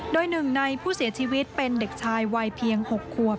โดยหนึ่งในผู้เสียชีวิตเป็นเด็กชายวัยเพียง๖ควบ